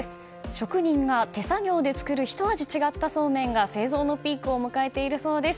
職人が手作業で作るひと味違ったそうめんが製造のピークを迎えているそうです。